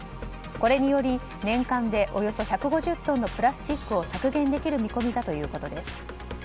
これにより年間でおよそ１５０トンのプラスチックを削減できる見込みだということです。